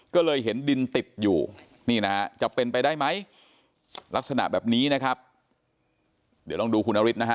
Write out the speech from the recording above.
ก็เลยเห็นดินติดอยู่นี่นะฮะจะเป็นไปได้ไหมลักษณะแบบนี้นะครับเดี๋ยวลองดูคุณนฤทธินะฮะ